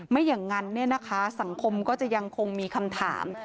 ไม่อย่างนั้นสังคมก็จะยังคงมีคำถาม